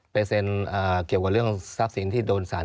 เซ็นเกี่ยวกับเรื่องทรัพย์สินที่โดนสาร